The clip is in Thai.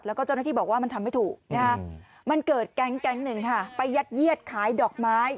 แล้วก็เจ้าหน้าที่บอกว่ามันทำไม่ถูกมันเกิดแก๊งหนึ่งค่ะไปยัดเยียดขายดอกไม้